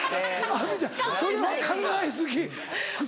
亜美ちゃんそれは考え過ぎ「草」で。